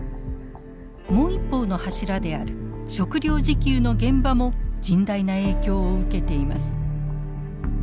もう一方の柱である食料自給の現場も甚大な影響を受けています。